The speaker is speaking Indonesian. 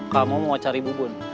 kamu mau cari bubun